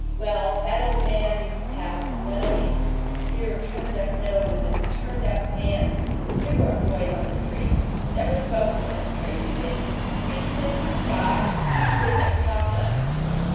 Well, that ole man used to pass one o' these here turned up nose and turned up pants cigarette boys on the streets. Never spoke to him, Tracy didn't. Speak to him? God! he wouldn't 'a' coughed on him!